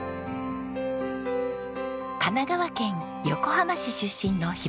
神奈川県横浜市出身の宏幸さん。